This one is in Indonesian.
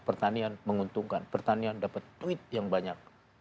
pertanian menguntungkan pertanian dapat duit yang banyak